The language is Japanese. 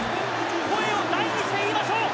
声を大にして言いましょう！